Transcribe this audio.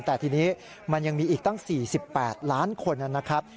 แต่ทีนี้มันยังมีอีกตั้ง๔๘ล้านคนนะครับ